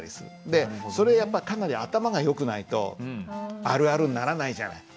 でそれやっぱかなり頭がよくないとあるあるにならないじゃない。